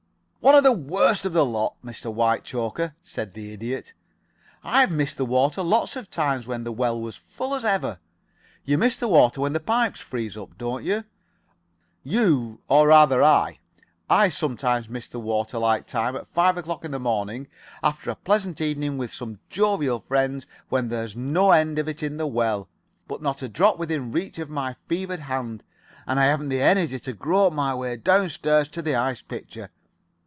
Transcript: '" "One of the worst of the lot, Mr. Whitechoker," said the Idiot. "I've missed the water lots of times when the well was full as ever. You miss the water when the pipes freeze up, don't you? You or rather I I sometimes miss the water like time at five o'clock in the morning after a pleasant evening with some jovial friends, when there's no end of it in the well, but not a drop within reach of my fevered hand, and I haven't the energy to grope my way down stairs to the ice pitcher.